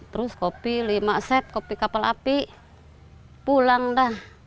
terus kopi lima set kopi kapal api pulang dah